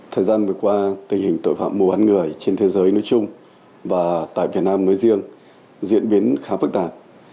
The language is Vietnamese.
thời gian vừa qua tình hình tội phạm mùa hán người trên thế giới nói chung và tại việt nam nói riêng diễn biến khá phức tạp